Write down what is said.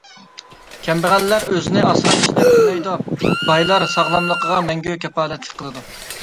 كەمبەغەللەر ئۆزىنى ئاسراشنى بىلمەيدۇ، بايلار ساغلاملىقىغا مەڭگۈ كاپالەتلىك قىلىدۇ.